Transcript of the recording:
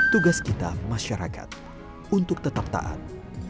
tugas kita masyarakat untuk tetap taat